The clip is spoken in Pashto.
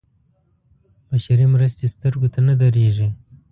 بشري مرستې سترګو ته نه درېږي.